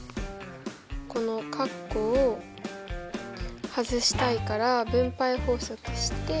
このカッコを外したいから分配法則して。